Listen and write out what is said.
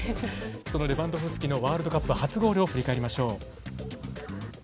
そのレバンドフスキのワールドカップ初ゴールを振り返りましょう。